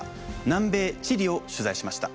南米チリを取材しました。